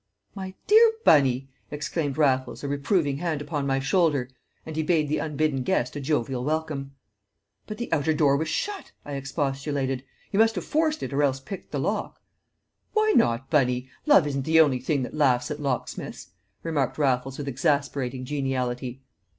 "My dear Bunny!" exclaimed Raffles, a reproving hand upon my shoulder. And he bade the unbidden guest a jovial welcome. "But the outer door was shut," I expostulated. "He must have forced it or else picked the lock." "Why not, Bunny? Love isn't the only thing that laughs at locksmiths," remarked Raffles with exasperating geniality.